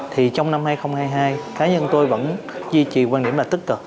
thì trong năm hai nghìn hai mươi hai cá nhân tôi vẫn duy trì quan điểm là tất cả